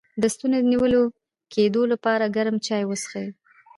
د ستوني د نیول کیدو لپاره ګرم چای وڅښئ